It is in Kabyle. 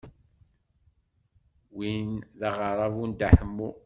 Win d aɣerrabu n Dda Ḥemmu.